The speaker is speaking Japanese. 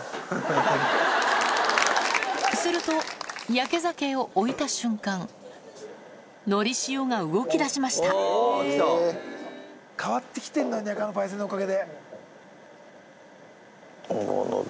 するとやけ酒を置いた瞬間のりしおが動きだしました変わって来てんだにゃかのパイセンのおかげで。